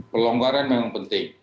pelonggaran memang penting